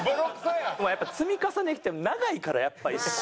やっぱ積み重ね長いからやっぱ一緒に。